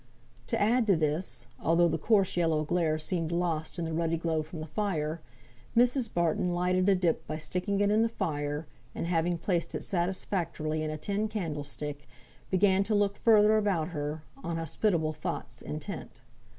To add to this (although the coarse yellow glare seemed lost in the ruddy glow from the fire), Mrs. Barton lighted a dip by sticking it in the fire, and having placed it satisfactorily in a tin candlestick, began to look further about her, on hospitable thoughts intent.